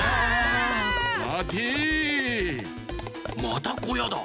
またこやだ。